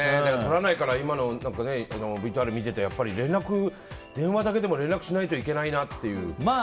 とらないから今のＶＴＲを見て電話だけでも連絡しないといけないなっていう。